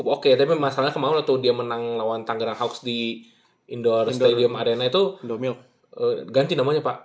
oke tapi masalahnya kemauan lah tuh dia menang lawan tanggerang hawks di indoor stadium arena itu ganti namanya pak